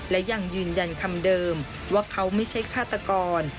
และยังยืนยันคำเดิมว่าเขาไม่ใช่ฆาตกร